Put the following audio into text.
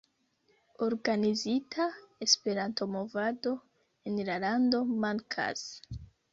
Organizita Esperanto-movado en la lando mankas.